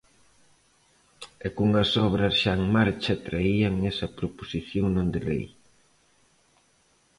E cunhas obras xa en marcha traían esa proposición non de lei.